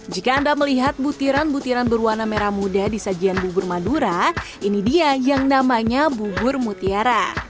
jika anda melihat butiran butiran berwarna merah muda di sajian bubur madura ini dia yang namanya bubur mutiara